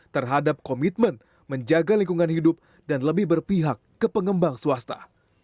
terhadap komitmen menjaga lingkungan hidup dan lebih berpihak ke pengembang swasta